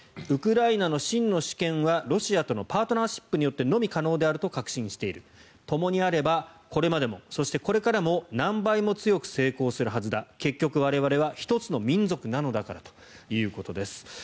ウクライナの真の主権はロシアとのパートナーシップによってのみ可能であると確信しているともにあればこれまでも、そしてこれからも何倍も強く成功するはずだ結局我々は一つの民族なのだからということです。